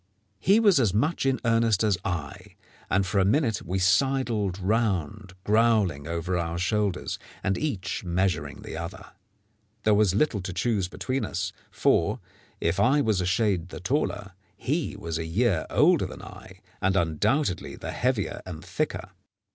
He was as much in earnest as I, and for a minute we sidled round growling over our shoulders, and each measuring the other. There was little to choose between us, for, if I was a shade the taller, he was a year older than I, and undoubtedly the heavier and thicker.